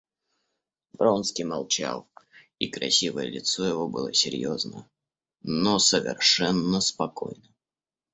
Вронский молчал, и красивое лицо его было серьезно, но совершенно спокойно.